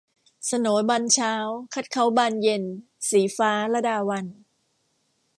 โสนบานเช้าคัดเค้าบานเย็น - ศรีฟ้า ลดาวัลย์